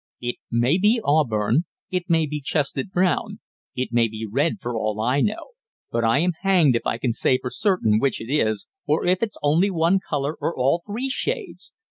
"It may be auburn; it may be chestnut brown; it may be red for all I know, but I am hanged if I can say for certain which it is, or if it's only one colour or all three shades.